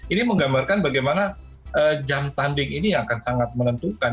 ini menggambarkan bagaimana jam tanding ini akan sangat menentukan